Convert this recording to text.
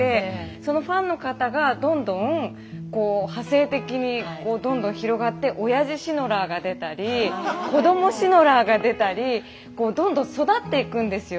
そのファンの方がどんどん派生的にどんどん広がっておやじシノラーが出たり子どもシノラーが出たりどんどん育っていくんですよ。